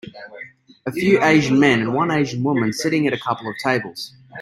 A few Asian men and one Asian woman sitting at a couple of tables.